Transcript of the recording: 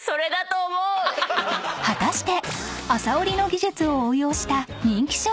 ［果たして］